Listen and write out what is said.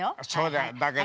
だけど。